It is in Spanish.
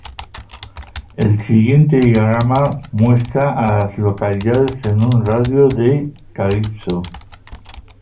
El siguiente diagrama muestra a las localidades en un radio de de Calypso.